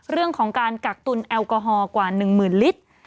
เรื่องของการกักตุลแอลกอฮอลกว่า๑๐๐๐ลิตร